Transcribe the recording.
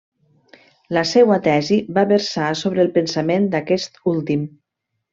La seua tesi va versar sobre el pensament d'aquest últim.